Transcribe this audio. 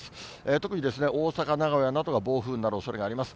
特に、大阪、名古屋などが暴風雨になるおそれがあります。